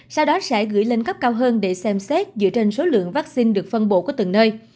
sau đó sẽ gửi lên cấp cao hơn để xem xét dựa trên số lượng vaccine được phân bộ của từng nơi